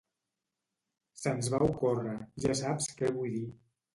Se"ns va ocórrer, ja saps què vull dir.